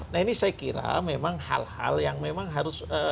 nah ini saya kira memang hal hal yang memang harus